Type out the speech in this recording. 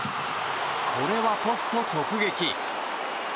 これはポスト直撃。